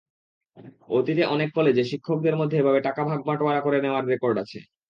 অতীতে অনেক কলেজে শিক্ষকদের মধ্যে এভাবে টাকা ভাগ-বাঁটোয়ারা করে নেওয়ার রেকর্ড আছে।